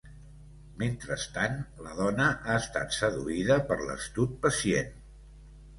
Mentrestant, la dona ha estat seduïda per l'astut pacient.